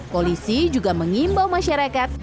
polisi juga mengimbau masyarakat